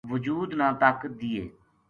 وجود نا طاقت دیئے